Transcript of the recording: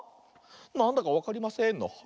「なんだかわかりません」の「はあ？」。